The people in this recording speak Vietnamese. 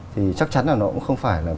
thì chắc chắn là nó cũng không phải là